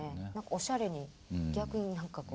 おしゃれに逆に何かこう。